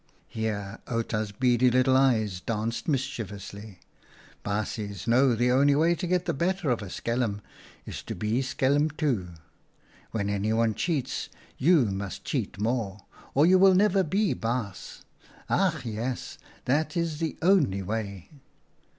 '" Here Outa's beady little eyes danced 20 OUTA KAREL'S STORIES mischievously. " Baasjes know, the only way to get the better of a schelm is to be schelm, too. When anyone cheats, you must cheat more, or you will never be baas. Ach, yes ! that is the only way."